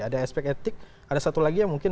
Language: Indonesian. ada aspek etik ada satu lagi yang mungkin